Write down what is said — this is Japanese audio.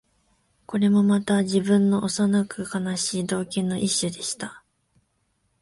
これもまた、自分の幼く悲しい道化の一種でした